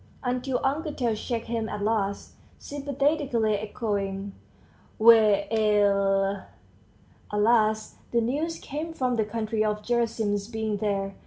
until Uncle Tail checked him at last, sympathetically echoing "We ell!" At last the news came from the country of Gerasim's being there.